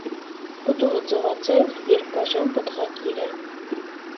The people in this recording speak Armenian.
Պտուղը ձվաձև, երկբաժան պտղակիր է։